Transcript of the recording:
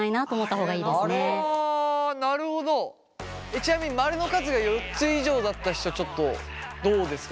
ちなみに○の数が４つ以上だった人ちょっとどうですか。